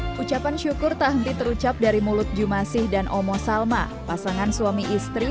hai ucapan syukur tak henti terucap dari mulut jum'asih dan omo salma pasangan suami istri